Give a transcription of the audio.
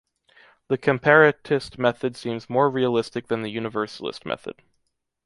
The comparatist method seems more realistic than the universalist method.